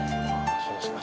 そうですか。